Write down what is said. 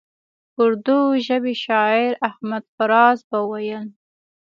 اردو ژبي شاعر احمد فراز به ویل.